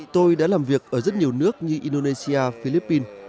tôi đã làm việc ở rất nhiều nước như indonesia philippines